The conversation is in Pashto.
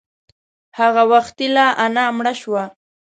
هغه وختي لا انا مړه شوه.